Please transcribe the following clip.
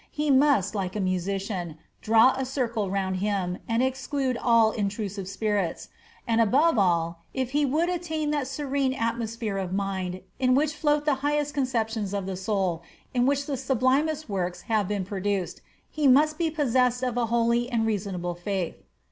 He must, like a magician, draw a circle round him, and exclude all intrusive spirits. And above all, if he would attain that serene atmosphere of mind in which float the highest conceptions of the soul in which the sublimest works have been produced, he must be possessed of a holy and reasonable faith."